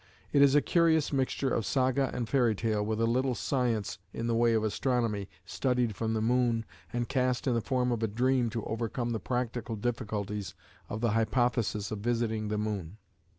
It is a curious mixture of saga and fairy tale with a little science in the way of astronomy studied from the moon, and cast in the form of a dream to overcome the practical difficulties of the hypothesis of visiting the moon.